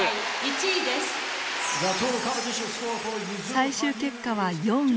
最終結果は４位。